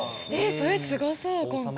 それすごそう今回。